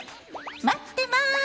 待ってます！